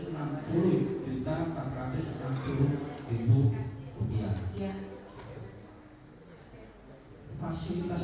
maksud saudara penduduk umum itu